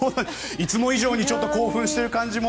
いつも以上に興奮している感じも。